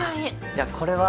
いやこれは。